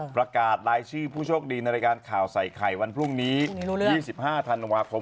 ประกาศรายชื่อผู้โชคดีในรายการข่าวใส่ไข่วันพรุ่งนี้๒๕ธันวาคม